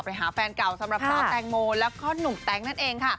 ไปหาแฟนเก่าสำหรับสาวแตงโมแล้วก็หนุ่มแต๊งนั่นเองค่ะ